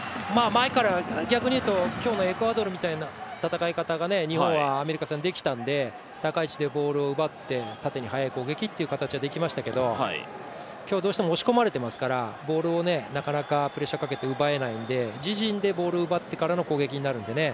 今日のエクアドルみたいな戦い方が日本はアメリカ戦でできたので、高い位置でボールを奪って縦に速い攻撃という形ができましたけど、今日、どうしても押し込まれてますからボールをなかなかプレッシャーをかけて奪えないので、自陣でボールを奪ってからの攻撃になるのでね